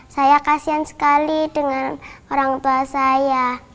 saya kasian sekali dengan orang tua saya